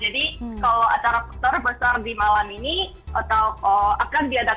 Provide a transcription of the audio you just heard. jadi kalau acara besar di malam ini akan diadakan